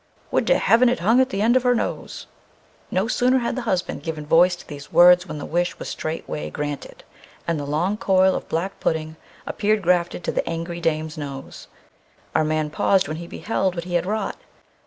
Would to heaven it hung at the end of her nose!" No sooner had the husband given voice to these words than the wish was straightway granted, and the long coil of black pudding appeared grafted to the angry dame's nose. Our man paused when he beheld what he had wrought.